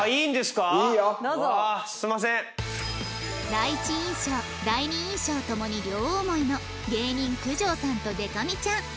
第一印象第二印象ともに両思いの芸人九条さんとでか美ちゃん